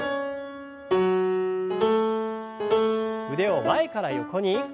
腕を前から横に。